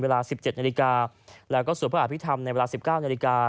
เวลา๑๗นาฬิกาแล้วก็สวดพระอภิษฐรรมในเวลา๑๙นาฬิกา